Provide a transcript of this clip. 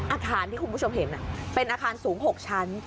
อาคารที่คุณผู้ชมเห็นเป็นอาคารสูง๖ชั้น